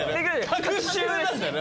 隔週なんだよな？